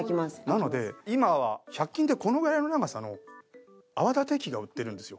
なので今は１００均でこのぐらいの長さの泡立て器が売ってるんですよ。